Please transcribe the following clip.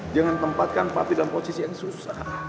jangan tempatkan pati dalam posisi yang susah